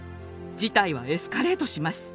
事態はエスカレートします。